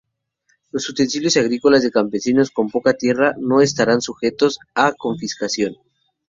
Los utensilios agrícolas de campesinos con poca tierra no estarán sujetos a confiscación.